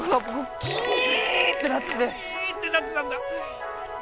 キってなってたんだ。